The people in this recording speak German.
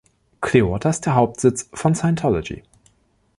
Clearwater ist der Hauptsitz von Scientology.